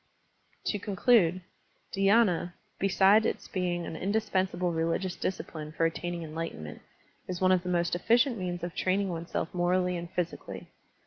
To conclude. Dhyina, beside its being an indispensable religious discipline for attaining enlightenment, is one of the most efficient means of training oneself morally and physically.